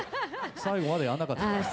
最後までやんなかったですね。